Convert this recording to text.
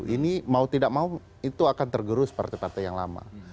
ini mau tidak mau itu akan tergerus partai partai yang lama